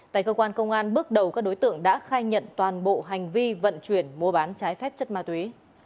tại cơ quan công an bước đầu các đối tượng đã khai nhận toàn bộ hành vi vận chuyển mua bán trái phép chất ma túy